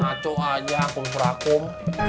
aco aja kum perakum